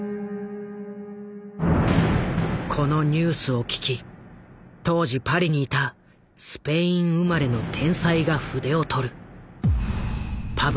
このニュースを聞き当時パリに居たスペイン生まれの天才が筆を執る。